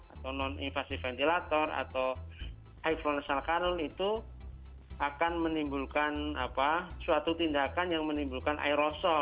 atau non invasive ventilator atau high flow nasal cannula itu akan menimbulkan suatu tindakan yang menimbulkan aerosol